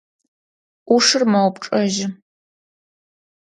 Ӏушыр мэупчӏэжьы.